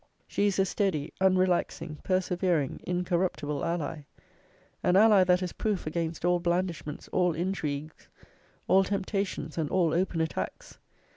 She is a steady, unrelaxing, persevering, incorruptible ally. An ally that is proof against all blandishments, all intrigues, all temptations, and all open attacks.